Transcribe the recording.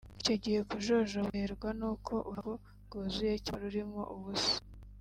icyo gihe kujojoba guterwa n’uko uruhago rwuzuye cyangwa rurimo ubusa